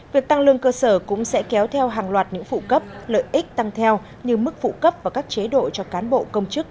việc tăng lương cơ sở cũng sẽ kéo theo hàng loạt những phụ cấp lợi ích tăng theo như mức phụ cấp và các chế độ cho cán bộ công chức